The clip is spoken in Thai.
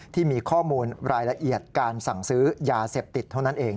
ที่มีข้อมูลรายละเอียดการสั่งซื้อยาเสพติดเท่านั้นเอง